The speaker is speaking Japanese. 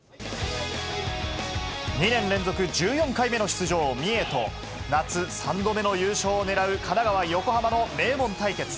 ２年連続１４回目の出場、三重と、夏３度目の優勝を狙う神奈川・横浜の名門対決。